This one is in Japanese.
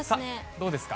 どうですか？